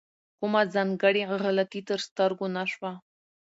کومه ځانګړې غلطي تر سترګو نه شوه.